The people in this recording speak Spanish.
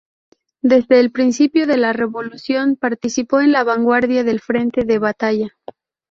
Desde el principio de la revolución, participó en la vanguardia del frente de batalla.